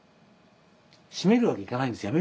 やめるわけいかないんですよ。